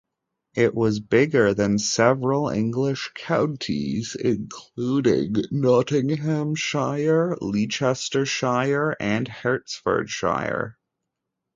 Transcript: It was bigger than several English counties, including Nottinghamshire, Leicestershire, and Hertfordshire.